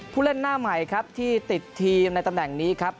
ผู้เล่นหน้าใหม่ครับที่ติดทีมในตำแหน่งนี้ครับ